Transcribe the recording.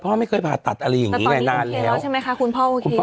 พ่อไม่เคยผ่าตัดอะไรอย่างงี้ไงนานแล้วแต่ตอนนี้คุณเคลียร์แล้วใช่ไหมค่ะคุณพ่อโอเค